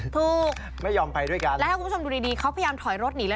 ไม่ยอมไปด้วยกันแล้วถ้าคุณผู้ชมดูดีดีเขาพยายามถอยรถหนีเลย